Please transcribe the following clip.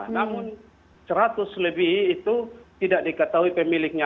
namun seratus lebih itu tidak diketahui pemiliknya